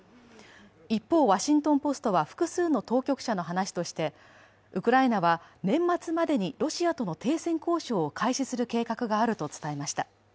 一方、「ワシントン・ポスト」は複数の当局者の話としてウクライナは年末までにロシアとの停戦交渉を開始する計画があると伝えました。